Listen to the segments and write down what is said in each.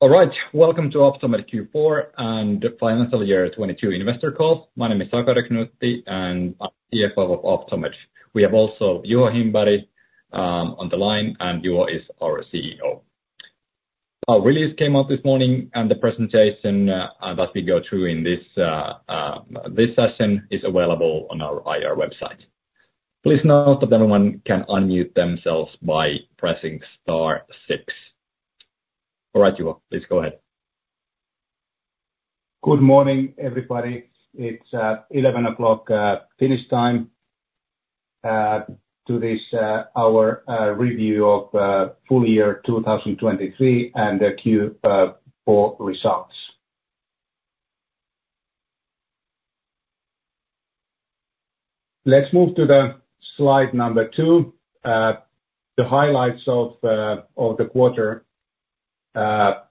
All right, welcome to Optomed Q4 and financial year 2022 investor call. My name is Sakari Knuutti, and I'm CFO of Optomed. We have also Juho Himberg on the line, and Juho is our CEO. Our release came out this morning, and the presentation that we go through in this session is available on our IR website. Please note that everyone can unmute themselves by pressing star six. All right, Juho, please go ahead. Good morning, everybody. It's 11:00 A.M. Finnish time to this our review of full year 2023 and the Q4 results. Let's move to the slide number two. The highlights of the quarter were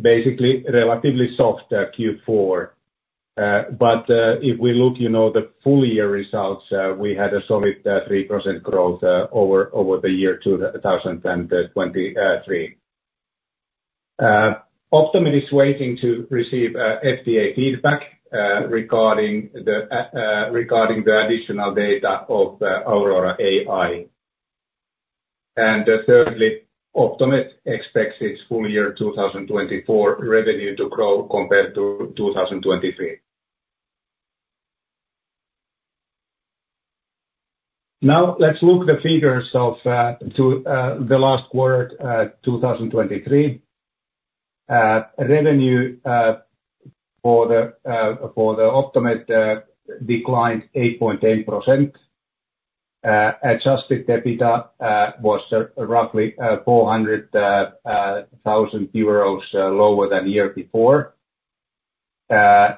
basically relatively soft Q4. But if we look, you know, the full year results, we had a solid 3% growth over the year 2023. Optomed is waiting to receive FDA feedback regarding the additional data of the Aurora AEYE. And thirdly, Optomed expects its full year 2024 revenue to grow compared to 2023. Now, let's look the figures of to the last quarter 2023. Revenue for the Optomed declined 8.8%. Adjusted EBITDA was roughly 400,000 euros lower than the year before. Cash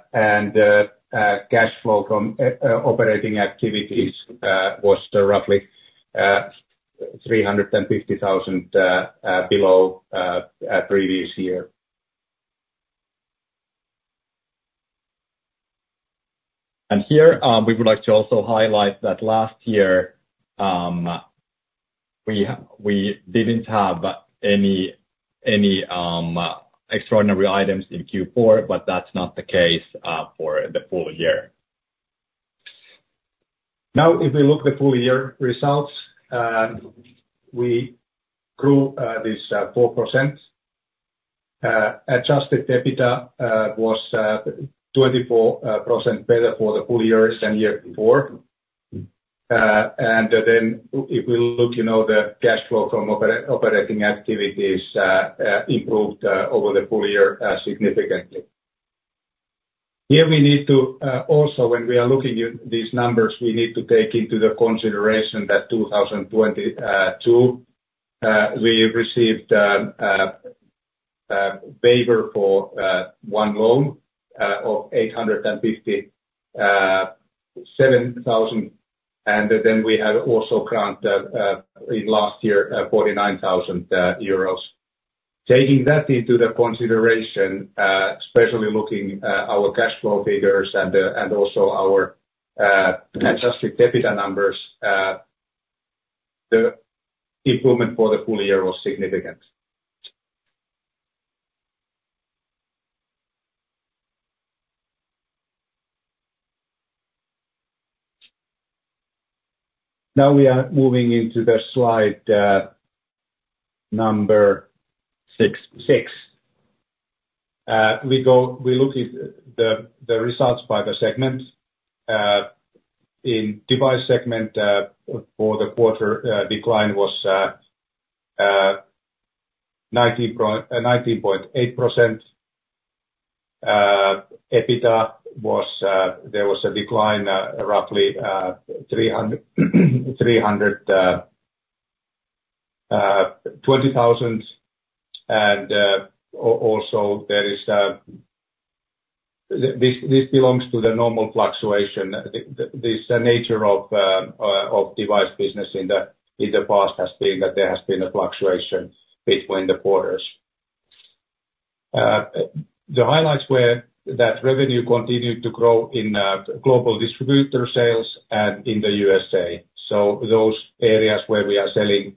flow from operating activities was roughly 350,000 below previous year. Here, we would like to also highlight that last year, we didn't have any extraordinary items in Q4, but that's not the case for the full year. Now, if we look the full year results, we grew 4%. Adjusted EBITDA was 24% better for the full year than year before. And then if we look, you know, the cash flow from operating activities, improved over the full year significantly. Here, we need to also, when we are looking at these numbers, we need to take into the consideration that 2022 we received waiver for one loan of 857,000, and then we had also grant in last year 49,000 euros. Taking that into the consideration, especially looking at our cash flow figures and also our adjusted EBITDA numbers, the improvement for the full year was significant. Now, we are moving into the slide, number 6. We look at the results by the segment. In device segment, for the quarter, decline was 90.8%. EBITDA was, there was a decline, roughly, EUR 320,000. And, also there is, this belongs to the normal fluctuation. This nature of device business in the past has been that there has been a fluctuation between the quarters. The highlights were that revenue continued to grow in global distributor sales and in the USA. So those areas where we are selling,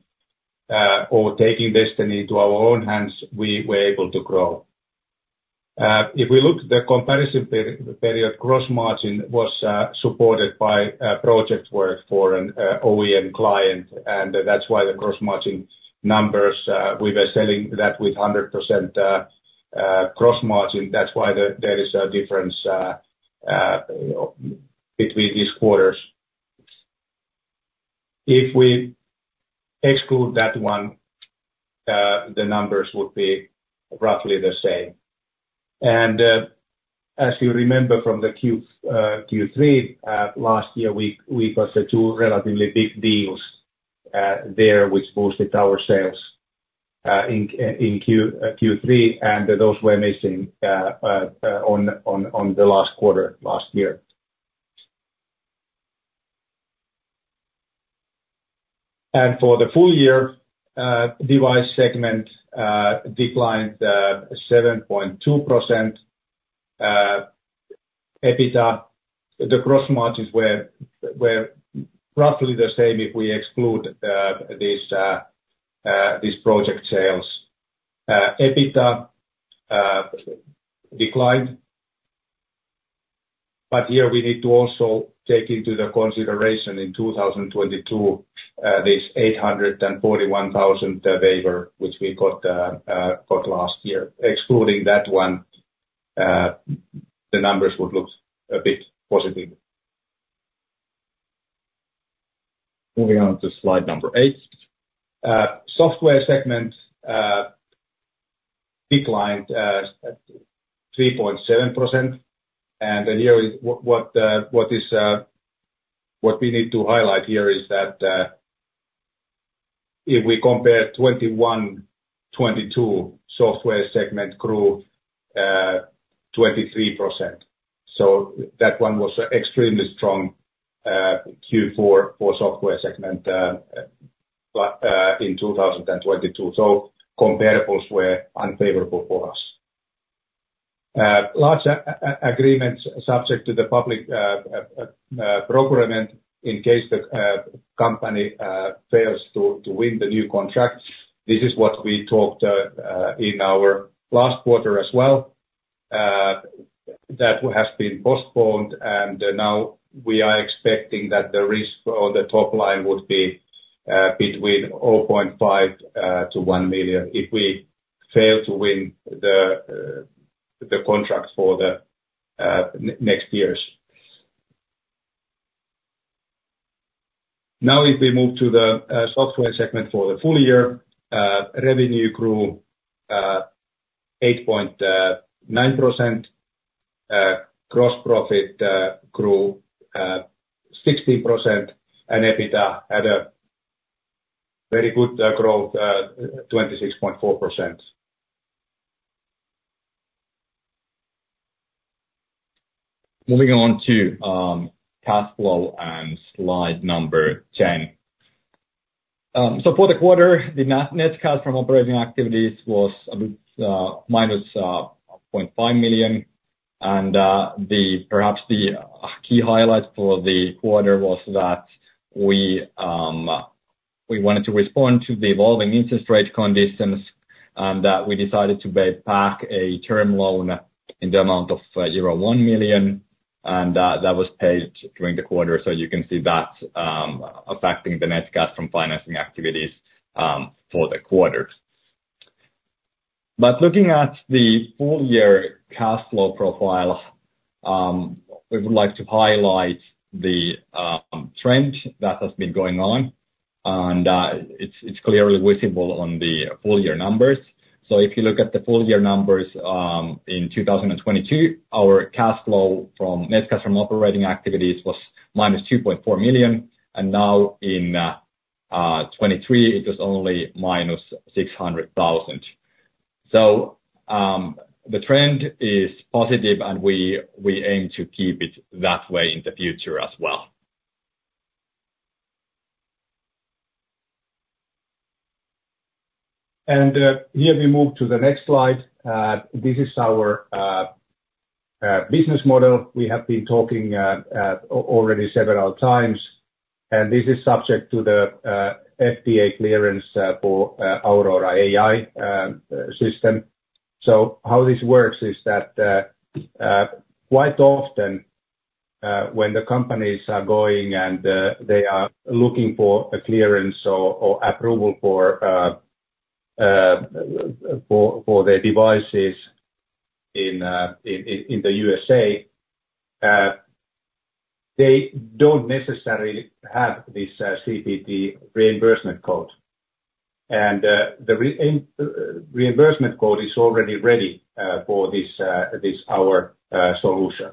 or taking destiny to our own hands, we were able to grow. If we look at the comparison period-over-period, gross margin was supported by project work for an OEM client, and that's why the gross margin numbers. We were selling that with 100% gross margin. That's why there is a difference between these quarters. If we exclude that one, the numbers would be roughly the same. As you remember from the Q3 last year, we got the two relatively big deals there, which boosted our sales in Q3, and those were missing in the last quarter last year. For the full year, device segment declined 7.2%. EBITDA, the gross margins were roughly the same if we exclude these project sales. EBITDA declined, but here we need to also take into the consideration in 2022 this 841,000 waiver, which we got last year. Excluding that one, the numbers would look a bit positive. Moving on to slide number 8. Software segment declined at 3.7%, and then here is what we need to highlight here is that if we compare 2021, 2022 software segment grew 23%. So that one was extremely strong Q4 for software segment, but in 2022. So comparables were unfavorable for us. Large agreements subject to the public procurement in case the company fails to win the new contract. This is what we talked in our last quarter as well, that has been postponed, and now we are expecting that the risk on the top line would be between 0.5 million-1 million if we fail to win the contract for the next years. Now, if we move to the software segment for the full year, revenue grew 8.9%, gross profit grew 16%, and EBITDA had a very good growth 26.4%. Moving on to cash flow and slide number 10. So for the quarter, the net cash from operating activities was a bit minus EUR 500,000. And perhaps the key highlight for the quarter was that we wanted to respond to the evolving interest rate conditions, and that we decided to pay back a term loan in the amount of euro 1 million, and that was paid during the quarter. So you can see that affecting the net cash from financing activities for the quarter. But looking at the full year cash flow profile, we would like to highlight the trend that has been going on, and it's clearly visible on the full year numbers. If you look at the full year numbers, in 2022, our cash flow from net cash from operating activities was 2.4 million, and now in 2023, it was only 600,000. The trend is positive, and we aim to keep it that way in the future as well. Here we move to the next slide. This is our business model. We have been talking already several times, and this is subject to the FDA clearance for Aurora AEYE system. So how this works is that quite often, when the companies are going and they are looking for a clearance or approval for their devices in the USA, they don't necessarily have this CPT reimbursement code. The reimbursement code is already ready for this our solution.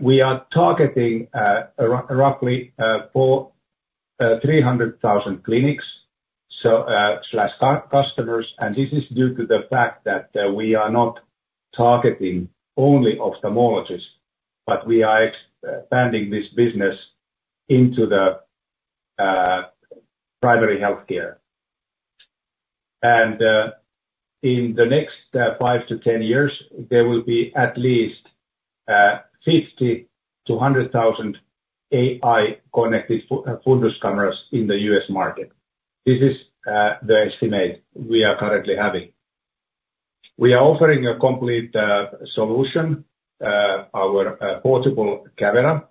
We are targeting roughly 300,000 clinics, so slash customers, and this is due to the fact that we are not targeting only ophthalmologists, but we are expanding this business into the primary healthcare. In the next 5-10 years, there will be at least 50,000-100,000 AI-connected fundus cameras in the U.S. market. This is the estimate we are currently having. We are offering a complete solution, our portable camera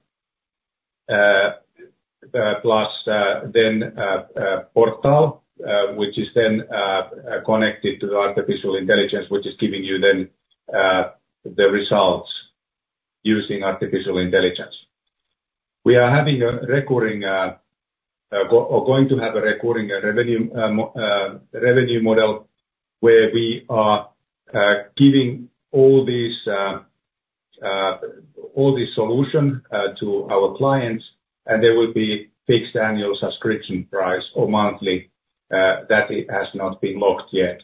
plus then portal, which is then connected to the artificial intelligence, which is giving you then the results using artificial intelligence. We are having a recurring, or going to have a recurring revenue, revenue model, where we are giving all the solution to our clients, and there will be fixed annual subscription price or monthly, that has not been locked yet.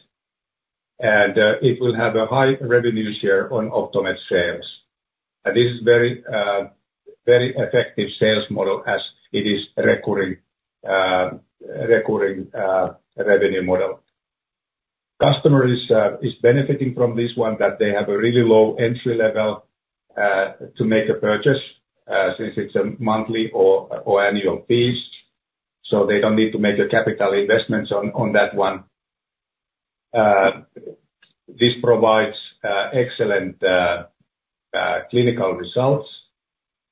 It will have a high revenue share on Optomed sales. This is very, very effective sales model as it is recurring, recurring, revenue model. Customer is benefiting from this one, that they have a really low entry level to make a purchase, since it's a monthly or annual fees. They don't need to make a capital investments on that one. This provides excellent clinical results.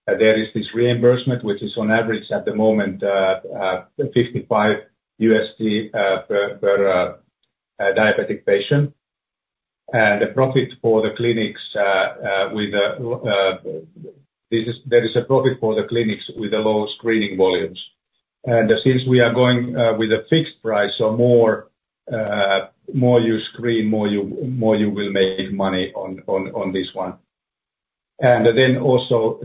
There is this reimbursement, which is on average, at the moment, $55 per diabetic patient. The profit for the clinics with the low screening volumes. Since we are going with a fixed price or more, more you screen, more you will make money on this one. Then also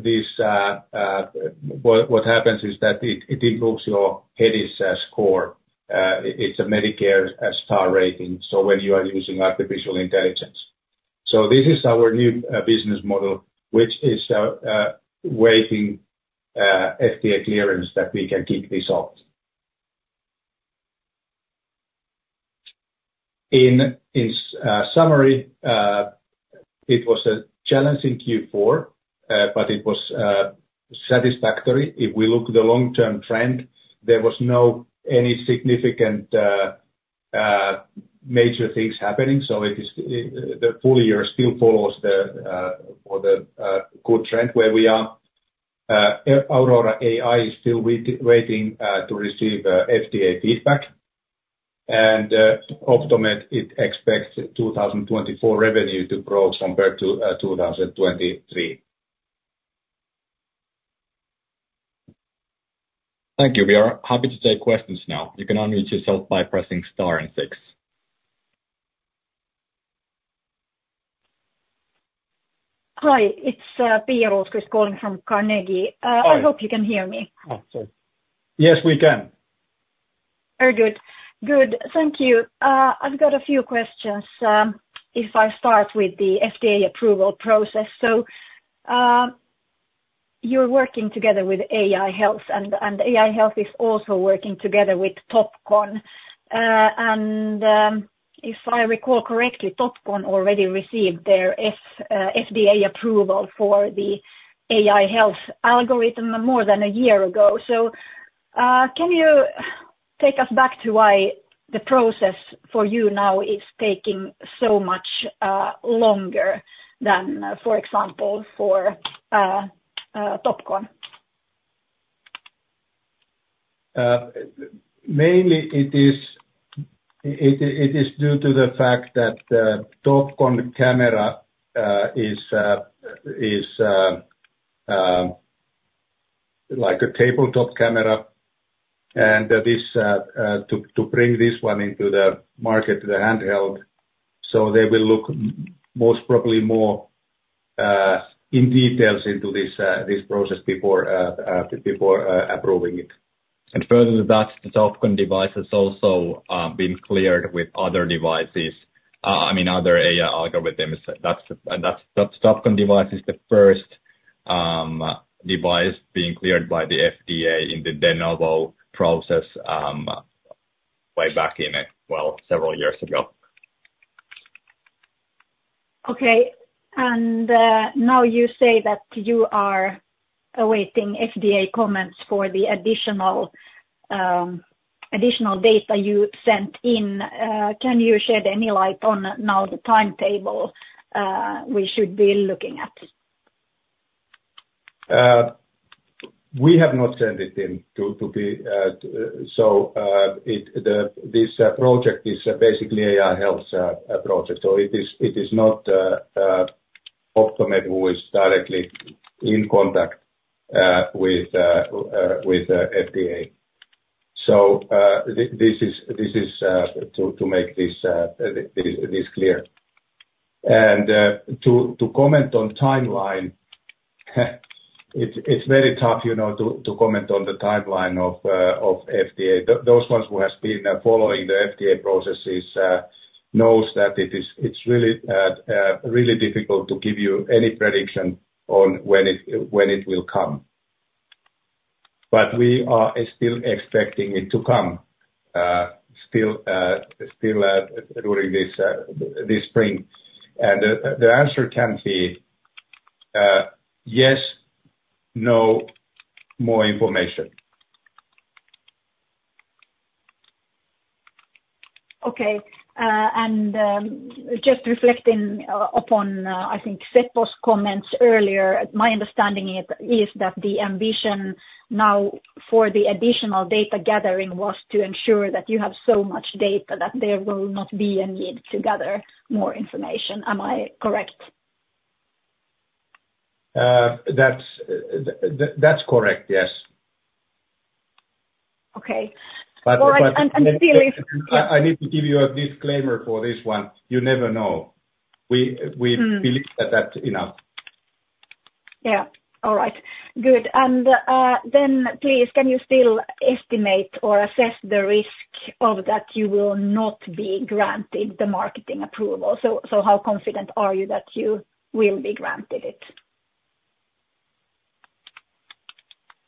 what happens is that it improves your HEDIS score. It's a Medicare star rating, so when you are using artificial intelligence. So this is our new business model, which is waiting FDA clearance that we can kick this off. In summary, it was a challenging Q4, but it was satisfactory. If we look the long-term trend, there was no any significant major things happening, so it is the full year still follows the good trend where we are. Aurora AEYE is still waiting to receive FDA feedback, and Optomed it expects 2024 revenue to grow compared to 2023. Thank you. We are happy to take questions now. You can unmute yourself by pressing star and six. Hi, it's Pia Rosqvist calling from Carnegie. Hi. I hope you can hear me. Yes, we can. Very good. Good, thank you. I've got a few questions. If I start with the FDA approval process. So, you're working together with AEYE Health and AEYE Health is also working together with Topcon. And if I recall correctly, Topcon already received their FDA approval for the AEYE Health algorithm more than a year ago. So, can you take us back to why the process for you now is taking so much longer than, for example, for Topcon? Mainly it is due to the fact that the Topcon camera is like a tabletop camera. And to bring this one into the market, the handheld, so they will look most probably more in details into this process before approving it. Further to that, Topcon device has also been cleared with other devices. I mean, other AI algorithms, and that's that Topcon device is the first device being cleared by the FDA in the de novo process, way back in several years ago. Okay. And, now you say that you are awaiting FDA comments for the additional, additional data you sent in. Can you shed any light on now the timetable, we should be looking at? We have not sent it in to be so the project is basically AEYE Health project. So it is not Optomed who is directly in contact with the FDA. So this is to make this clear. And to comment on timeline, it's very tough, you know, to comment on the timeline of FDA. Those ones who has been following the FDA processes knows that it's really really difficult to give you any prediction on when it will come. But we are still expecting it to come still during this spring. And the answer can be yes, no, more information. Okay. And just reflecting upon I think Seppo's comments earlier, my understanding is that the ambition now for the additional data gathering was to ensure that you have so much data that there will not be a need to gather more information. Am I correct? That's correct, yes. Okay. But, but- And still if- I need to give you a disclaimer for this one. You never know. We- Mm. We believed that, you know? Yeah. All right, good. And then please, can you still estimate or assess the risk that you will not be granted the marketing approval? So, how confident are you that you will be granted it? ...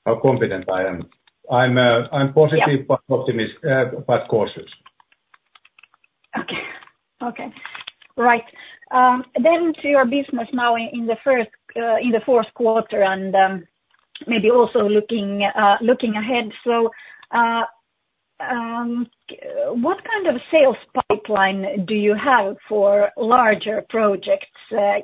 how confident I am. I'm, I'm positive- Yeah. Optimistic, but cautious. Okay. Okay, right. Then to your business now in the fourth quarter, and maybe also looking ahead. So, what kind of sales pipeline do you have for larger projects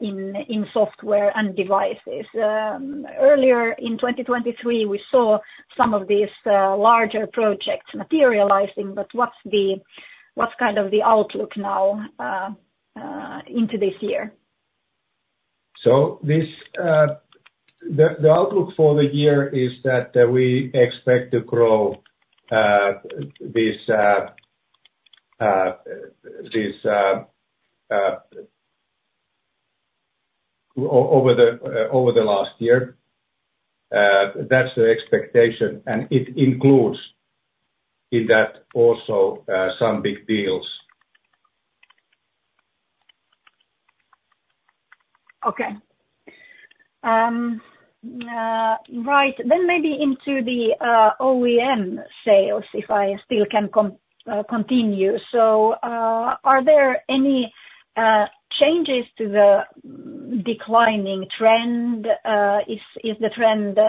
in software and devices? Earlier in 2023, we saw some of these larger projects materializing, but what's kind of the outlook now into this year? So, the outlook for the year is that we expect to grow this over the last year. That's the expectation, and it includes in that also some big deals. Okay. Right. Then maybe into the OEM sales, if I still can continue. So, are there any changes to the declining trend? Is the trend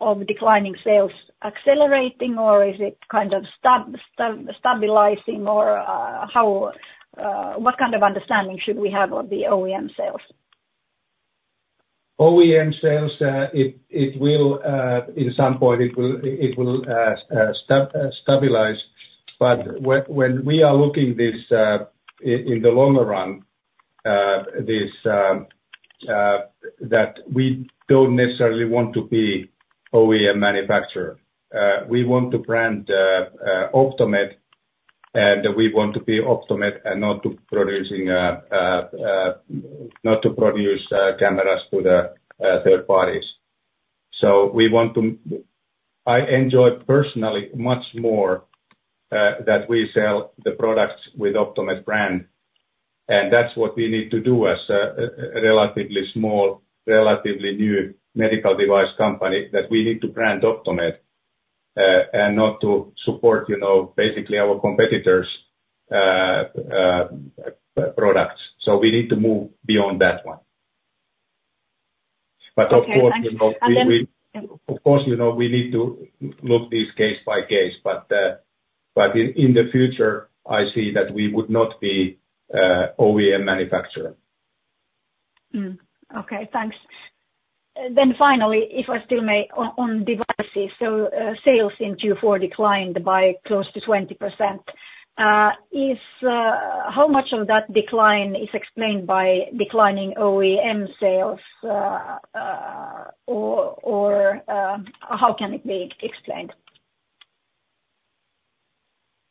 of declining sales accelerating, or is it kind of stabilizing? Or, how, what kind of understanding should we have on the OEM sales? OEM sales, it will, in some point it will, stabilize. But when we are looking this, in the longer run, that we don't necessarily want to be OEM manufacturer. We want to brand Optomed, and we want to be Optomed and not to producing, not to produce, cameras to the third parties. So we want to... I enjoy personally much more, that we sell the products with Optomed brand, and that's what we need to do as a relatively small, relatively new medical device company, that we need to brand Optomed, and not to support, you know, basically our competitors', products. So we need to move beyond that one. But of course- Okay, thank you. And then- Of course, you know, we need to look this case by case, but in the future, I see that we would not be OEM manufacturer. Okay, thanks. Then finally, if I still may, on devices, sales in Q4 declined by close to 20%. How much of that decline is explained by declining OEM sales, or how can it be explained?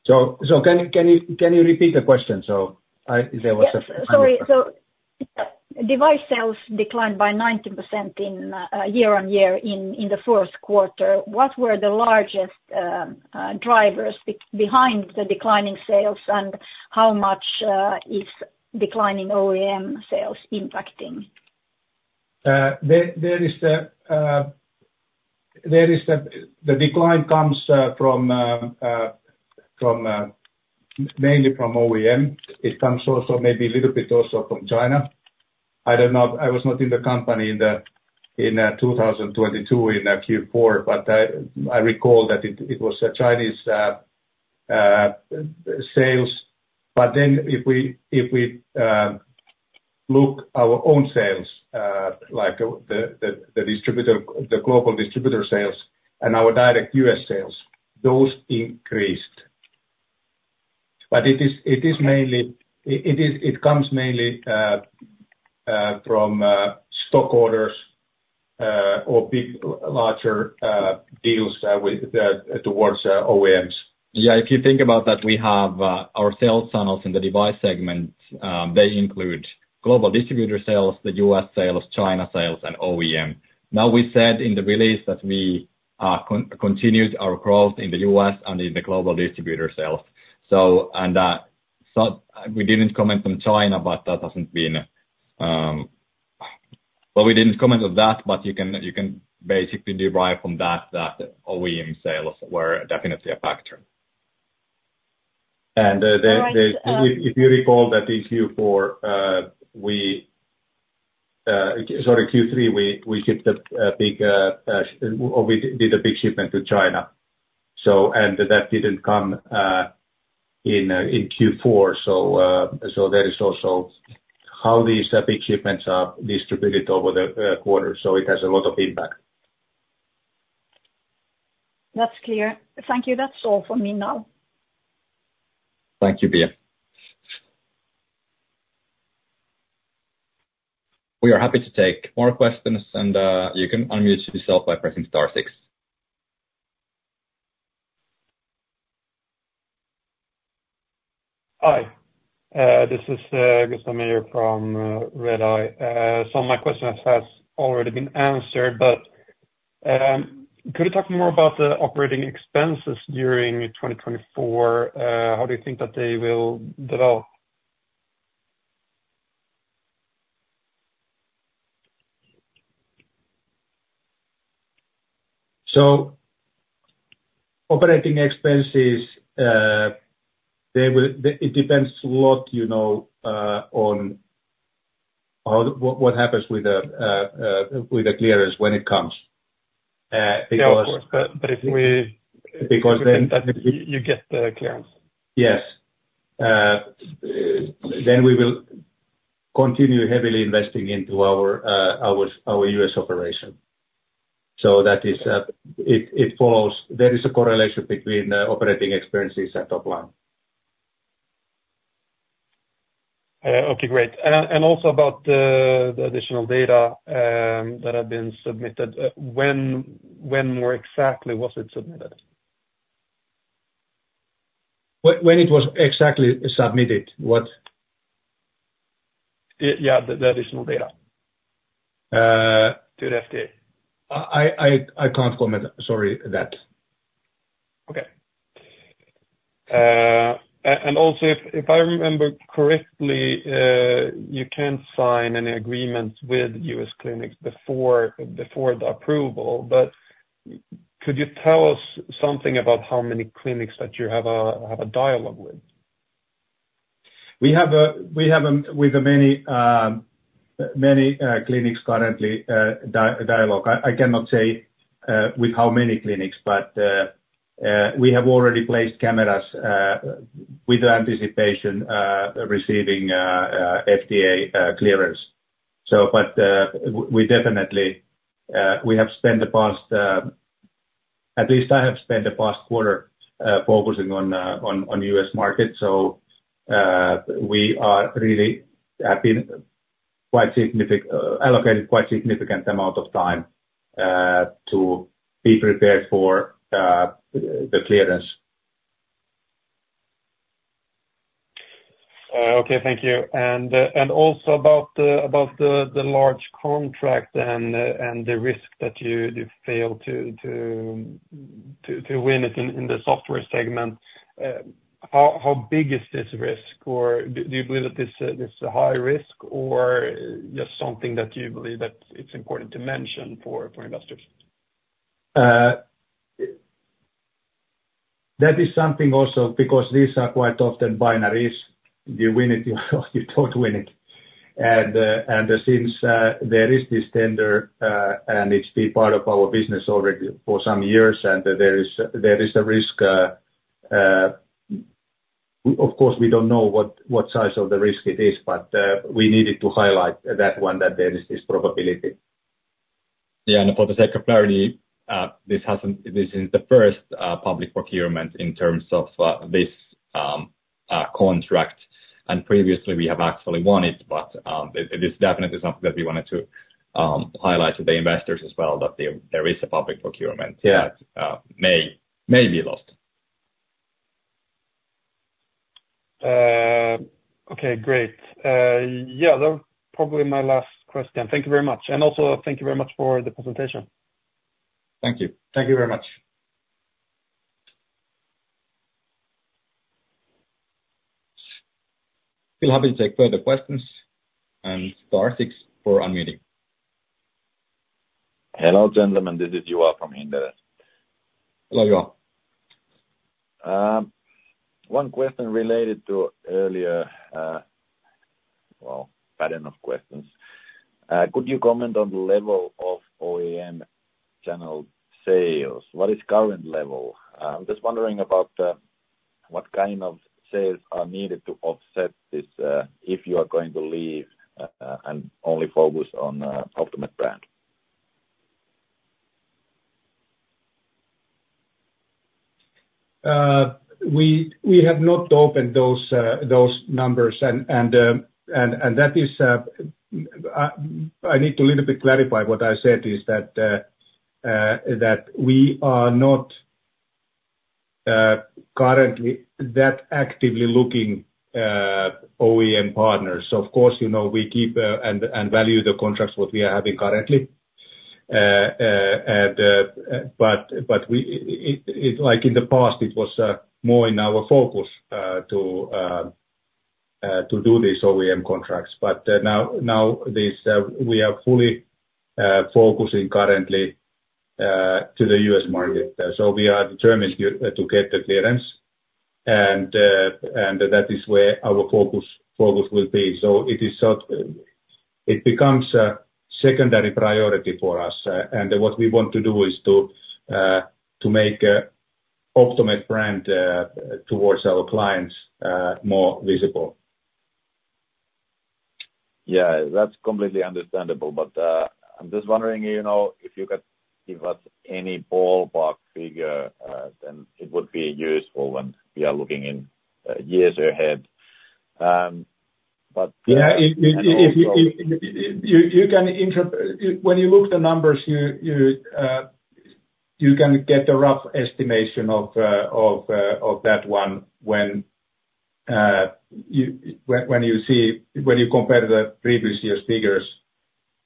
So, can you repeat the question? So I, there was a- Sorry. So device sales declined by 19% year-on-year in the fourth quarter. What were the largest drivers behind the declining sales, and how much is declining OEM sales impacting? The decline comes mainly from OEM. It comes also maybe a little bit also from China. I don't know, I was not in the company in 2022 in Q4, but I recall that it was Chinese sales. But then if we look our own sales, like the global distributor sales and our direct U.S. sales, those increased. But it is mainly. It comes mainly from stock orders or big, larger deals with towards OEMs. Yeah, if you think about that, we have our sales funnels in the device segment. They include global distributor sales, the U.S. sales, China sales, and OEM. Now, we said in the release that we continued our growth in the U.S. and in the global distributor sales. So, so we didn't comment on China, but that hasn't been... Well, we didn't comment on that, but you can, you can basically derive from that, that OEM sales were definitely a factor. And, there All right, If you recall that in Q4, sorry, Q3, we shipped a big or we did a big shipment to China, so and that didn't come in Q4. So, there is also how these big shipments are distributed over the quarter. So it has a lot of impact. That's clear. Thank you. That's all for me now. Thank you, Pia. We are happy to take more questions and, you can unmute yourself by pressing star six. Hi, this is Gustaf Meyer from Redeye. Some my questions has already been answered, but could you talk more about the operating expenses during 2024? How do you think that they will develop?... So operating expenses, they will—it depends a lot, you know, on how what happens with the clearance when it comes, because- Yeah, of course. But if we- Because then- You get the clearance. Yes. Then we will continue heavily investing into our U.S. operation. So that is, it follows there is a correlation between operating expenses and top line. Okay, great. And also about the additional data that have been submitted. When more exactly was it submitted? When it was exactly submitted? What? Yeah. The additional data. Uh. To the FDA. I can't comment, sorry, that. Okay. And also, if I remember correctly, you can't sign any agreements with U.S. clinics before the approval, but could you tell us something about how many clinics that you have a dialogue with? We have dialogue with many clinics currently. I cannot say with how many clinics, but we have already placed cameras with the anticipation receiving FDA clearance. So but, we definitely... At least I have spent the past quarter focusing on the U.S. market. So, we really have allocated quite a significant amount of time to be prepared for the clearance. Okay, thank you. And also about the large contract and the risk that you failed to win it in the software segment, how big is this risk? Or do you believe that this is a high risk or just something that you believe that it's important to mention for investors? That is something also, because these are quite often binaries. You win it, you don't win it. And since there is this tender, and it's been part of our business already for some years, and there is a risk, of course, we don't know what size of the risk it is, but we needed to highlight that one, that there is this probability. Yeah, and for the sake of clarity, this hasn't, this is the first public procurement in terms of this contract. And previously, we have actually won it, but it is definitely something that we wanted to highlight to the investors as well, that there is a public procurement- Yeah... that may be lost. Okay, great. Yeah, that probably my last question. Thank you very much, and also thank you very much for the presentation. Thank you. Thank you very much. Feel free to take further questions and star six for unmuting. Hello, gentlemen, this is Joel from Inderes. Hello, Joel. One question related to earlier, well, pattern of questions. Could you comment on the level of OEM general sales? What is current level? I'm just wondering about what kind of sales are needed to offset this, if you are going to leave and only focus on Optomed brand. We have not opened those numbers, and that is, I need to little bit clarify what I said, is that that we are not currently that actively looking OEM partners. So of course, you know, we keep and value the contracts what we are having currently. And but we... It, like in the past, it was more in our focus to do these OEM contracts, but now this, we are fully focusing currently to the US market. So we are determined to get the clearance, and that is where our focus will be. It becomes a secondary priority for us, and what we want to do is to make Optomed brand towards our clients more visible. Yeah, that's completely understandable. But, I'm just wondering, you know, if you could give us any ballpark figure, then it would be useful when we are looking in, years ahead. But- Yeah, if you can, when you look at the numbers, you can get a rough estimation of that one, when you compare the previous year's figures,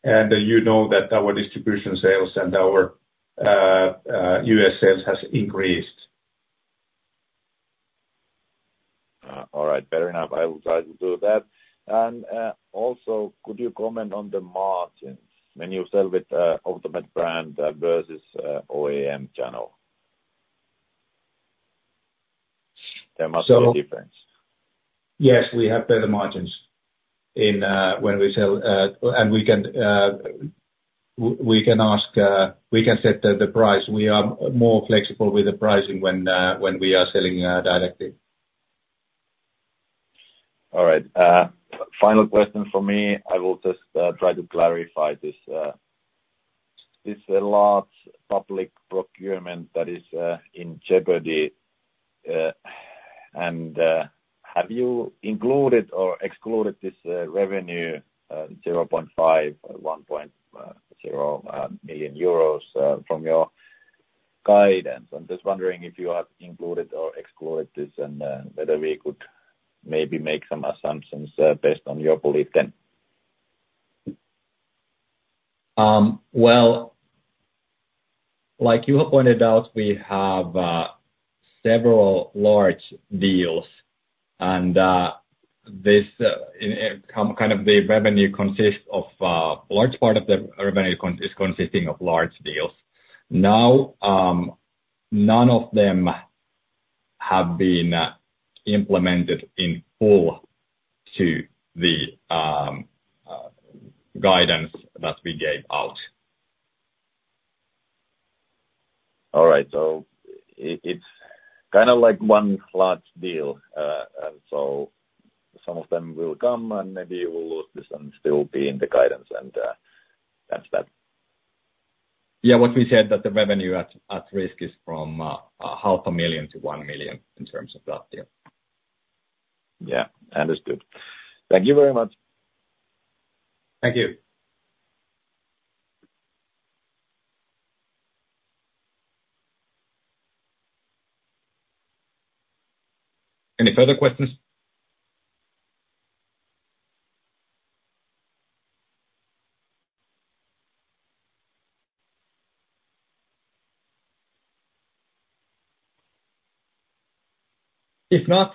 and you know that our distribution sales and our U.S. sales has increased.... All right, fair enough. I will try to do that. Also, could you comment on the margins when you sell with Optomed brand versus OEM channel? There must be a difference. Yes, we have better margins in when we sell and we can ask, we can set the price. We are more flexible with the pricing when we are selling directly. All right. Final question for me. I will just try to clarify this large public procurement that is in jeopardy. And have you included or excluded this revenue 0.5 million euros or 1.0 million euros from your guidance? I'm just wondering if you have included or excluded this, and whether we could maybe make some assumptions based on your belief then. Well, like you have pointed out, we have several large deals, and this in kind of the revenue consists of large part of the revenue consisting of large deals. Now, none of them have been implemented in full to the guidance that we gave out. All right. So it's kind of like one large deal. And so some of them will come, and maybe will some still be in the guidance, and that's that. Yeah, what we said, that the revenue at risk is from 500,000-1 million in terms of that deal. Yeah. Understood. Thank you very much. Thank you. Any further questions? If not,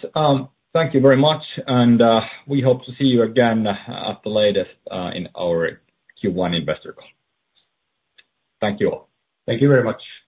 thank you very much, and we hope to see you again, at the latest, in our Q1 investor call. Thank you all. Thank you very much.